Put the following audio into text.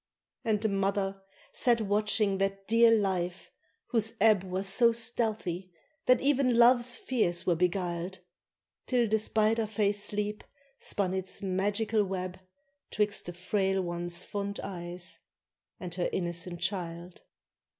And the mother sat watching that dear life, whose ebb Was so stealthy, that even love's fears were beguiled, Till the spider fay sleep spun its magical web 'Twixt the frail one's fond eyes and her innocent child.